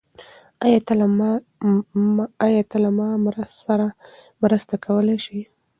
آیا ته له ما سره مرسته کولی شې؟